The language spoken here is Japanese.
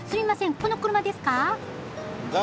この車ですか？